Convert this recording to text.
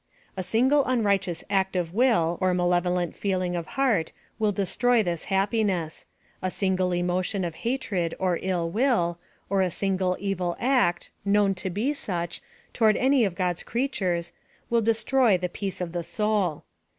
A single unrighteous act of will or malevolent feeling of heart will destroy this happiness — a single emotion of hatred or ill will, or a single evil act, known to be such, toward's any of God's creatures, will de stroy the peace of the soul.